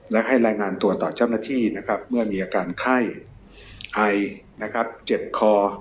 และให้รายงานตัวต่อชั้นหน้าที่เมื่อมีอาการไข้ไอเจ็บคอ